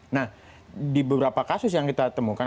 nah di beberapa kasus yang kita temukan